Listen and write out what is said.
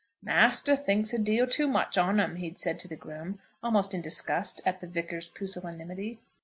"Master thinks a deal too much on 'em," he had said to the groom, almost in disgust at the Vicar's pusillanimity.